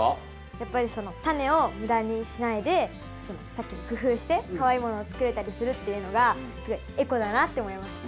やっぱりそのタネをムダにしないでさっきの工夫してかわいいものを作れたりするっていうのがすごいエコだなって思いました。